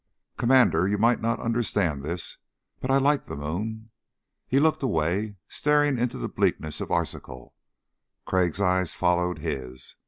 "Commander, you might not understand this but ... I like the moon." He looked away, staring into the bleakness of Arzachel. Crag's eyes followed his.